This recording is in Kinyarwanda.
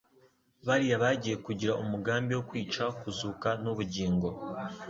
bari bagiye kugira umugambi wo kwica Kuzuka n'Ubugingo.